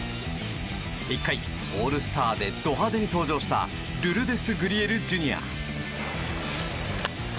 １回、オールスターでド派手に登場したルルデス・グリエルＪｒ．。